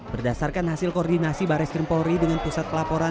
berdasarkan hasil koordinasi baris krimpori dengan pusat pelaporan